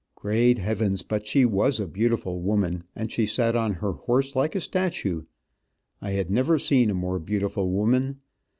Great heavens, but she was a beautiful woman, and she sat on her horse like a statue. I had never seen a more beautiful woman.